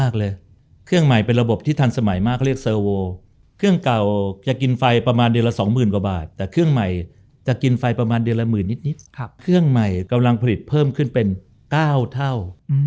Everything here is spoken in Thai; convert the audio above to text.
เครื่องใหม่กำลังผลิตเพิ่มขึ้นเป็น๙เท่า